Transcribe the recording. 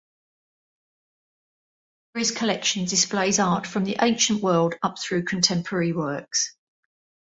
Today, the gallery's collection displays art from the ancient world up through contemporary works.